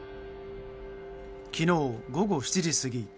昨日午後７時過ぎ